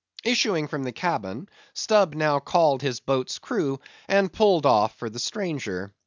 Issuing from the cabin, Stubb now called his boat's crew, and pulled off for the stranger.